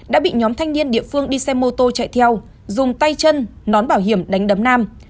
đã bị nhóm thanh niên địa phương đi xe mô tô chạy theo dùng tay chân nón bảo hiểm đánh đấm nam